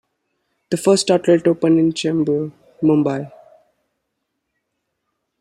The first outlet opened in Chembur, Mumbai.